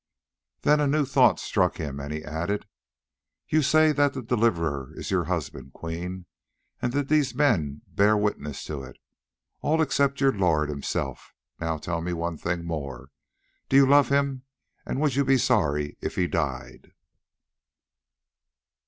Then a new thought struck him, and he added, "You say that the Deliverer is your husband, Queen, and these men bear witness to it, all except your lord himself! Now tell me one thing more: do you love him and would you be sorry if he died?"